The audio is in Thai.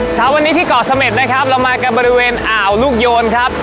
เช้าวันนี้ที่เกาะเสม็ดนะครับเรามากันบริเวณอ่าวลูกโยนครับ